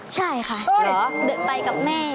ใช่ค่ะเดินไปกับแม่